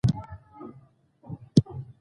آیا ثمر ګل د خپل زوی په خبرو خوښ شو؟